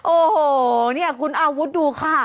โอ้โหเนี่ยคุณอาวุธดูค่ะ